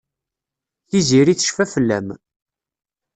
Tiziri tecfa fell-am.